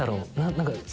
何か。